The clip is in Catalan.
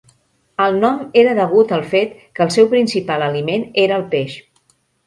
El nom era degut al fet que el seu principal aliment era el peix.